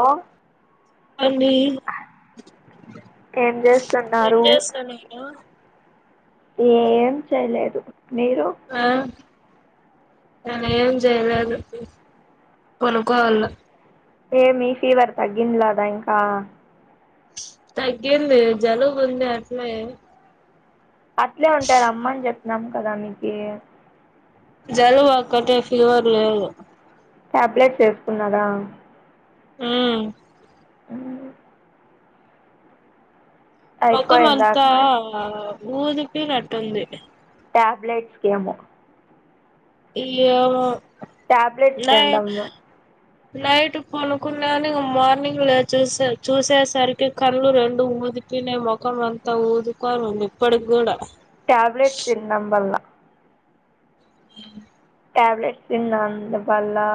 ఆ ఏం ఏం చేస్తున్నారు చేస్తా నేనా ఏం చేయలేదు మీరు ఆ నేను ఏం చేయలేదు పొనుక్కోనున్నా ఏమి ఫీవర్ తగ్గిండ్లేదా ఇంకా తగ్గింది జలుబుంది అట్లే అట్లే ఉంటే రమ్మని చెప్పినాం కదా నీకీ జలుబు ఒక్కటే ఫివర్ లేదు టాబ్లెట్స్ వేసుకున్నావా మ్మ్ మ్మ్ మొఖం అయిపోయిందా అంతా కానీ ఊదిపినట్టుంది టాబ్లెట్స్కేమో ఏమో టాబ్లెట్స్ నై తినడం నైట్ పనుకున్నాను మార్నింగ్ లేచేస్ చూసేసరికి కళ్ళు రెండు వూది తినే ముఖం అంతా ఊదుకోనుంది ఇప్పటికి కూడా ట్యాబ్లేెట్ తినడం వల్ల ఆ ట్యాబ్లెట్స్ తిన్నందువల్లా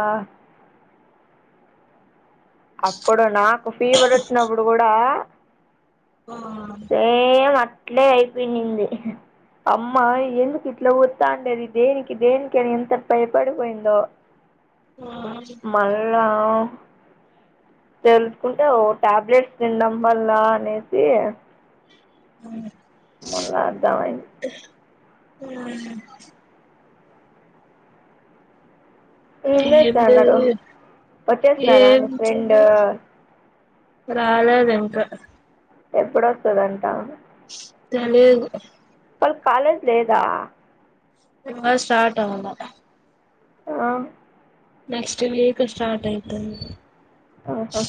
అప్పుడు నాకు ఫీవర్ వచ్చినప్పుడు కూడా ఆ ఏం అట్లే అయిపోయిన్నింది అమ్మా ఎందుకు ఇట్లా వత్తాండేది దేనికి దేనికి అని ఎంత భయ పడిపోయిందో అ ఆ మల్లా తెలుసుకుంటే ఓ టాబ్లెట్స్ తినడం వల్ల అనేసి అవును మళ్ళా దాని ఆ ఏం ఏందో చేస్తన్నారు వచ్చేసినారా నీ ఫ్రెండ్ ఏంచెయ్యో రాలేదింకా ఎప్పుడొస్తదంటా తెలీదు వాళ్ళకి కాలేజ్ లేదా ఇంగా స్టార్ట్ అవ్వలా ఆ నెక్స్ట్ వీక్ స్టార్టయితాది ఆహా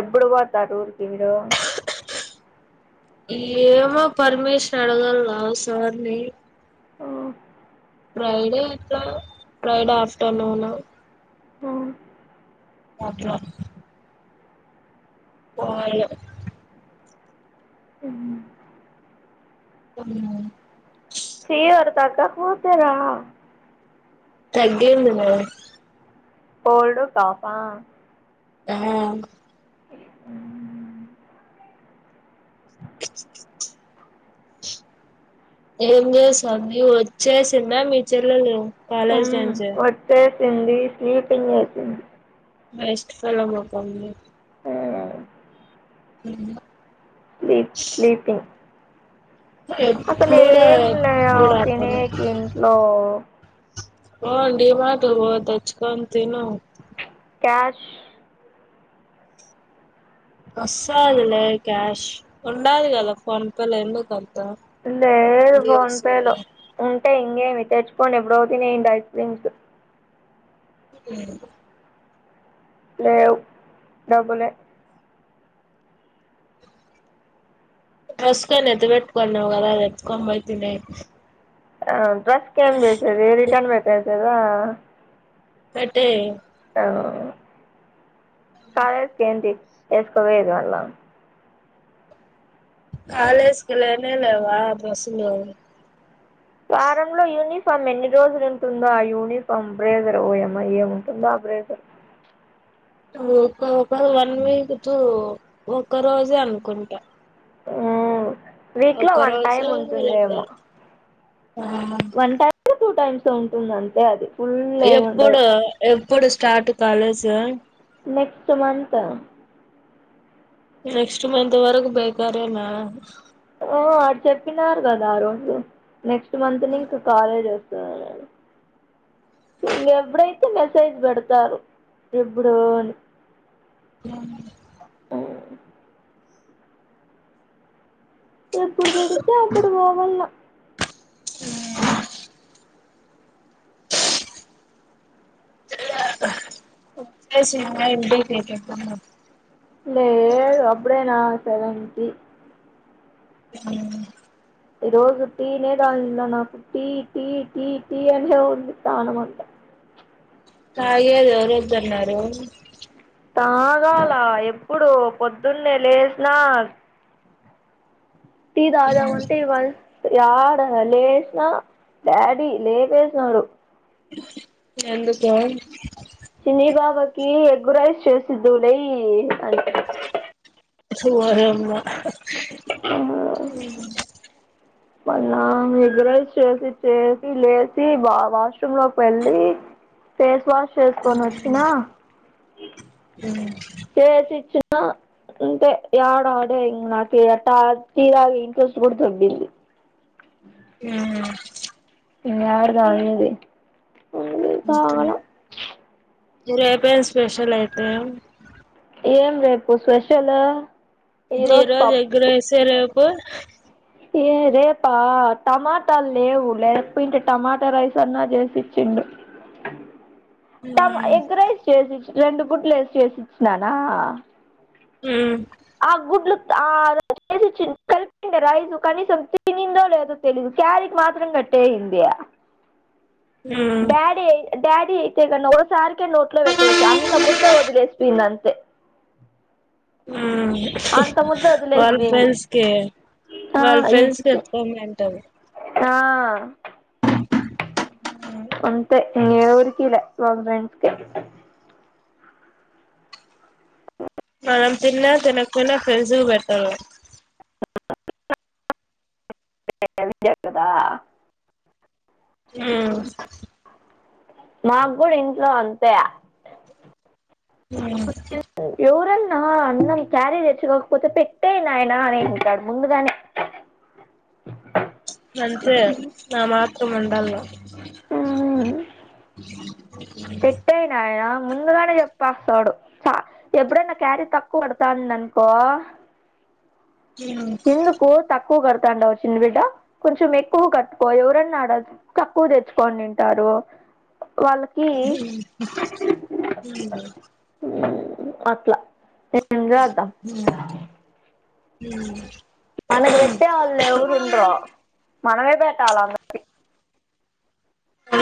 ఎబ్బుడు పోతారు వూరికి మీరు ఏమో పర్మిషన్ అడగల్లా సార్ని ఓ ఫ్రైడే ఏట్లా ఫ్రైడే ఆఫ్టర్నూన్ ఆ అట్లా పోవల్ల అ మ్ [unintelligible] తెరా తగ్గేది లె కోల్డు కాప్ ఆ ఆ అ ఎ ఏం చేస్థాంది వచ్చేసింద మీ చెళ్ళేలు మ్ వచ్చేసింది స్లీపింగ్ వేసింది నెస్ట్ ఫ్రేలో పోతుంది అవునా మ్ స్లీప్ స్లీపింగ్ అసలు ఎప్పుడు ఏం లేవ్ ఎప్పుడు అట్లనే తినేకి ఇంట్లో పో డిమార్ట్ పొ తెచ్చుకోని తిను క్యాష్ వస్తదిలే క్యాష్ ఉండాలీ కదా ఫోన్పే లో ఎందుకంత లేదు ఫోన్పే లో ఉంటే ఇంగేమి తెచ్చుకోడి ఎప్పుడో తినిండా ఐస్ క్రీమ్స్ అ లేవ్ డబ్బులే తెస్కొన్ ఎత్ పెట్టుకొన్నవ్ కద అది ఎత్కొబైతినేయ్ ఆ డ్రెస్ కెం చేసేది రిటర్న్ పెట్టేసేదా పెట్టేయ్ ఒ కాలేజ్కి ఏంటి ఏసుకపోయేది మళ్ళా కాలజ్ కి లేనే లేవా డ్రస్సులు వారంలో యూనిఫామ్ ఎన్ని రోజులు ఉంటుందో ఆ యూనిఫామ్ బ్రేజర్ ఓయమ్మ ఎం ఉంటుందో ఆ బ్రేజర్ ఒక ఒక వన్ వీక్ కు ఒక రోజే అనుకుంటా వీక్ లో ఒక్క వన్ టైం రోజు లేదా ఉంటుందేమో ఆ వన్ టైం టూ టైమ్స్ ఉంటుందంతే అది ఫుల్ ఏముండదు ఎప్పుడు ఎప్పుడు start college next month next month వరకు బేకారేనా అ ఆడ్ చెప్పినారు కదా ఆ రోజు నెక్స్ట్ మంత్ నే ఇంకా కాలేజ్ వస్తదనని ఎబ్బుడైతే మెసేజ్ పెడుతారు ఎప్పుడో అని ఆహా ఎప్పుడు పెడితే అప్పుడు పోవాళ్ళ మ్ చేసిన్న ఇంప్ చేసేసుంటారు లేదు అప్పుడే నా సెవెన్ కి మ్మ్ ఈ రోజు తినే దానిన్నా నాకు టీ టీ టీ టీ అనే ఉంది ప్రాణం అంత తాగేది ఎవరొద్దన్నారు తాగాల ఎప్పుడు పొద్దున్నే లేసిన టీ తాగుదాం అంటే ఇవా యాడ లేసిన డాడీ లేవేస్నాడు ఎందుకో? చిన్ని బాబాకి ఎగగురైస్ చేసిద్లై అం సువారెమ్మ అమ్మ ఊ మళ్ళా ఎగరైస్ చేసి చేసి లేచి బ వాష్రూమ్ లోకి వెళ్ళి ఫేస్ వాష్ చేసుకొని వచ్చిన చేసిచ్చిన ఇంతే యాడ ఆడే ఇంగా నాకి అట్ట తీర ఇంట్రెస్ట్ కూడా దొబ్బింది. ఆ ఆ ఏడ దానిది రేపే స్పెషల్ అయితే ఏం రేపు స్పెషల్? ఈ రోజు ఈరోజు పప్పు ఎగ్ రైస్ రేపు ఏ రేపా టమాటాలు లేవు లేకపోయింటే టమాటా రైస్ అన్నా చేసిచ్చిండు. టమ ఉమ్ ఎగ్గరైస్ చేసిచ్చ రెండు గుడ్లుఏసి చేసిచ్చిననా హ ఆ గుడ్లు ఆ లక్ చేసిచ్చి కరెక్ట్ రైస్ కనీసం తినిందో లేదో తెలీదు క్యారెట్ మాత్రం కట్టెయింది. ఉమ్ డాడీడ్ డాడీ అయితే గన ఓసారికే నోట్ లో పెట్టేయొచ్చు అంత ముద్ద వదిలేసిపోయింది అంతే ఆ అంత ముద్ద వాళ్ళ వదిలేసిపోయింది ఫ్రెండ్స్ కి, ఆ వాళ్ళ ఫ్రెండ్స్ కి ఇచ్చ ఎత్తుకోమంటది. ఆ అంతే ఎవ్వరికీలె వాళ్ళ ఫ్రెండ్స్ కె మనం తిన్న తినకపోన ఫ్రెండ్స్లకి పెట్టాలి. మీ ఫ్రెండ్ హెల్ప్ చేస్తాదా ఆ మాకు కూడా ఇంట్లో అంతే ఉ ఎవరన్నా అన్నం క్యారేజ్ తెచ్చుకోకపోతే పెట్టేయ్ నయనా అనింటాడు ముందుగానే నంతే నా మాత్రం ఉండాలా [inaudible] [inaudible] ఉమ్, టే నాయన ముందుగానే చెప్పస్తాడు త ఎప్పుడన్న క్యరీ తక్కువ కడతాందినుకో ఏవ్ ఎందుకు తక్కువ కడుతాండవు చిన్న బిడ్డ కొంచెం ఎక్కువ కట్టుకో ఎవరన్నా ఆడ తక్కువ తెచ్చుకొని తింటారు వాళ్ళ ఉ ఉ అట్ల ఊ ఊ మనకు పెట్టేవాళ్ళు ఎవరు ఉండ్రు మనమే పెట్టాల అంద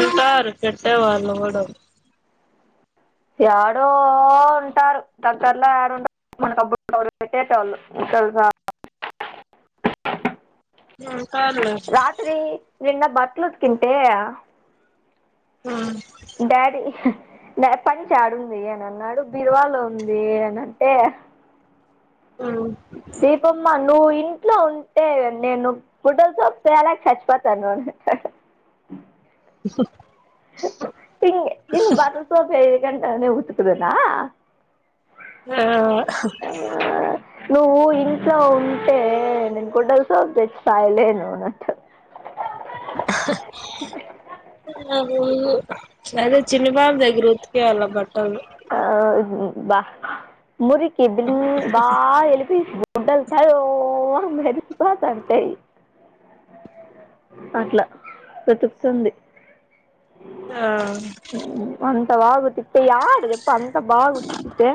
ఉంటారు పేట్టే వాళ్ళు గూడు యాడో ఉంటారు దగ్గరలో ఎడుంట మనకు అప్పుడప్పుడు పెట్టేటోళ్లు తెలుసా సాలే రే నిన్న బట్టలు ఉత్కుంటే ఆ డాడీ పంచే ఏడుంది అని అన్నాడు బిరువాలో ఉంది అని అంటే ఉమ్ దీపమ్మ నువ్వు ఇంట్లో ఉంటే నేను బుడ్డది చంపేయాలి కచ్పాత అను హిం హింగ్ బట్టలసోప్ ఏయకుంటానే ఉత్కుదునా ఆ హ ఆ నువ్వు ఇంట్లో ఉంటే నేను గుడ్డల సోపు తెచ్చి సాదలేను సరే చిన్ని పాప ఇపుడు ఉతికేయాల బట్టలు ఆ బా మురుకి బిల్ బా వెలుపి గుడ్డలు తెల్లగా మెరిసిపోతూంటాయి అట్లా వెతుకుతుంది అ అంతా బాగా ఉతికితే యారుదప్ప అంత బాగా ఉతికతే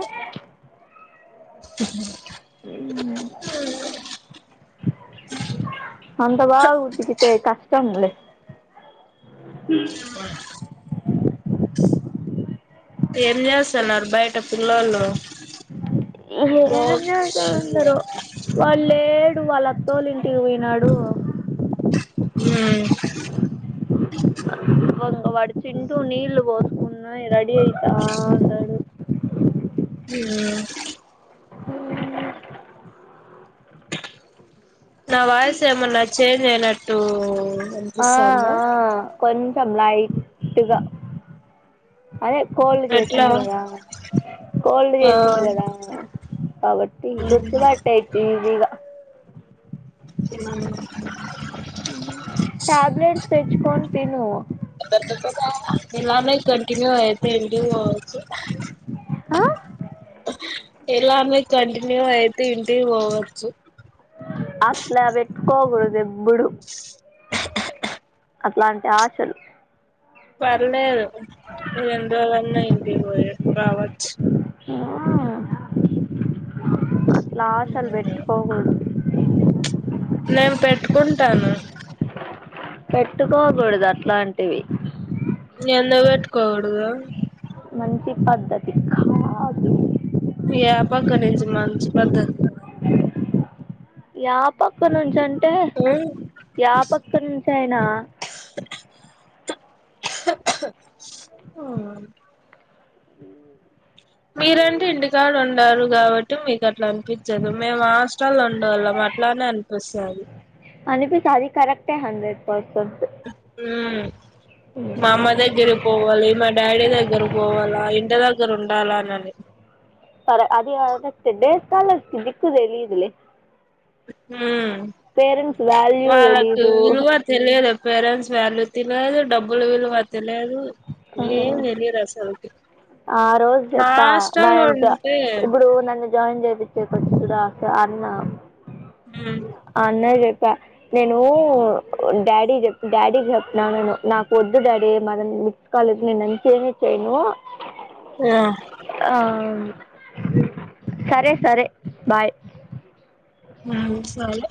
ఉ అంత బాగా ఉతుకితే కష్టంలే ఏం చేస్తున్నారు బయట పిల్లోలు ఏం చేస్తురు అందరూ వాడు లేడు వాళ్ళ అక్క వాళ్ళ ఇంటికి పోయినాడు ఉమ్ ఒక వాడు తింటూ నీళ్ళు పోసుకున్నా రెడీ అయితా ఉన్నాడు ఉ నా వాయిస్ ఏమన్నా చేంజ్ అయినట్టు వస్తాందా కొంచం లైట్గా అదే కోల్డ్ ఎట్లా చేసింది కదా కోల్డ్ ఆ చేసింది కదా కాబట్టి గుర్తుపట్టేయచ్చు ఈజీగా తిన్నాను ట్యాబ్లేెట్స్ తెచ్చుకొని తిను ఇలానే కంటిన్యూ ఆయితే ఇంటికి పోవచ్చు ఆ ఇలానే కంటిన్యూ అయితే ఇంటికి పోవచ్చు అట్లా పెట్టుకోకూడదు ఎప్పుడు అట్లాంటి ఆశలు పర్లేదు నేను ఎన్నిరోలన్న ఇంటికి పోయిరావచ్చు ఆ అట్లా ఆశలు పెట్టుకోకూడదు నేను పెట్టుకుంటాను పెట్టుకోకూడదు అట్లాంటివి ఎందుకు పెట్టుకోకూడదు మంచి పద్ధతి కాదు ఏ పక్కనించి మంచి పద్ధతి యా పక్క నుంచి అంటే మ్ యా పక్క నుంచి అయినా మ్ మీరంటే ఇంటికాడ ఉండరు కాబట్టి మీకు అట్లా అనిపించదు మేమ హా స్టలో ఉండాల అట్లానే అనిపిస్తది అనిపి అది కరెక్టే హండ్రెడ్ పర్సెంట్ హ్మ్ పోడె మా అమ్మ దగ్గర పోవాలి మా డాడీ దగ్గర పోవాల ఇంటి దగ్గర ఉండాలా అనని సరే అది తెడ్డేస్తాలే దిక్కు తెలిదులే అని పేరెంట్స్ వాల్యూ తెలిదు తెలిదు పేరెంట్స్ వాల్యూ తిలాదు డబ్బులు విలువ తెలెదు ఆ, ఏం తెలియదు అస్సలకి ఆ రోజు చెప్పా నయిచ్చ ఉంటే ఇప్పుడు నన్ను జాయిన్ జేపించే ఫస్టు రాక అన్న హ్మ్ అన్నే జెప్ప నేను డాడీ చెప్ డాడీ చెప్పిన నేను నాకు వద్దు డాడీ మదను కాలే నిన్న నుంచి ఏమి చెయిను ఆ ఆ సరే సరే బాయ్ మ్ సరే